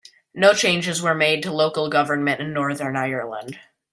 No changes were made to local government in Northern Ireland.